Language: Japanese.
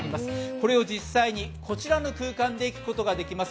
これを実際にこちらの空間で聴くことができます。